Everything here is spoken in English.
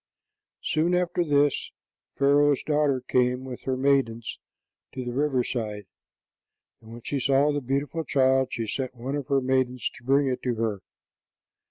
Soon after this, Pharaoh's daughter came with her maidens to the river side, and when she saw the beautiful child, she sent one of her maidens to bring it to her.